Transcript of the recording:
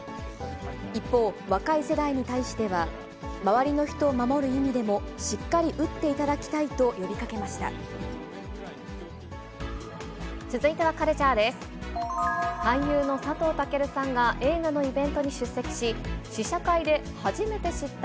一方、若い世代に対しては、周りの人を守る意味でも、しっかり打っていただきたいと呼びかけました。